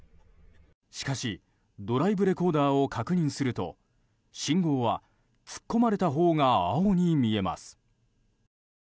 しかしドライブレコーダーを確認すると信号は突っ込まれたほうが青に見えます。